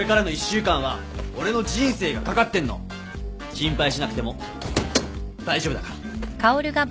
心配しなくても大丈夫だから。